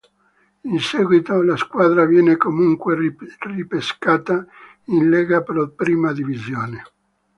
In seguito la squadra viene comunque ripescata in Lega Pro Prima Divisione.